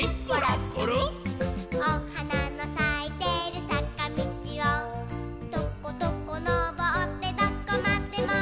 「おはなのさいてるさかみちをとことこのぼってどこまでも」